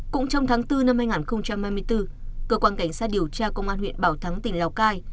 cũng trong tháng bốn năm hai nghìn hai mươi bốn cơ quan cảnh sát điều tra công an huyện bảo thắng tỉnh lào cai